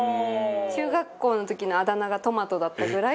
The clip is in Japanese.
中学校の時のあだ名がトマトだったぐらい